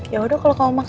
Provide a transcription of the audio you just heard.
ya udah kalau kamu maksa